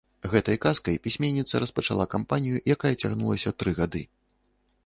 Гэтай казкай пісьменніца распачала кампанію, якая цягнулася тры гады.